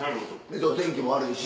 天気も悪いし。